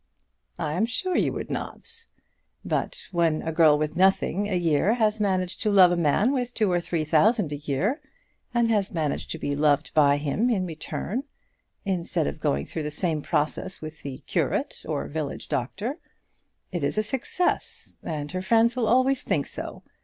"I am sure you would not. But when a girl with nothing a year has managed to love a man with two or three thousand a year, and has managed to be loved by him in return, instead of going through the same process with the curate or village doctor, it is a success, and her friends will always think so.